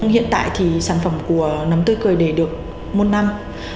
hiện tại thì sản phẩm của nấm tươi cười để được một năm